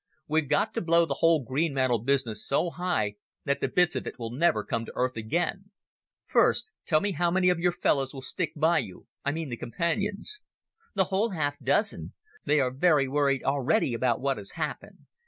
We've got to blow the whole Greenmantle business so high that the bits of it will never come to earth again ... First, tell me how many of your fellows will stick by you? I mean the Companions." "The whole half dozen. They are very worried already about what has happened.